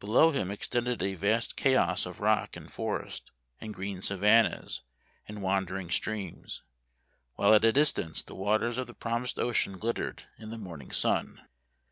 Below him extended a vast chaos of rock and forest, and green savannas and wandering streams ; while at a distance the waters of the promised ocean glittered in the morning sun.